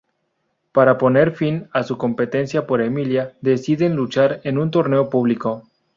Para poner fin a su competencia por Emilia, deciden luchar en un torneo público.